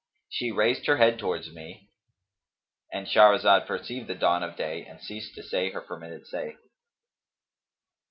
She raised her head towards me"—And Shahrazad perceived the dawn of day and ceased to say her permitted say.